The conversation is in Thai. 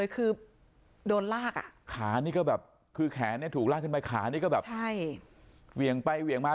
คือแขนถูกลากขึ้นไปขานี่ก็แบบเวียงไปเวียงมา